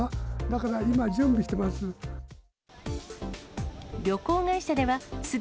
だから今、準備してます。